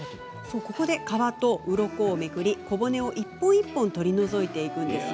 皮とうろこをめくり小骨を一本一本取り除いていきます。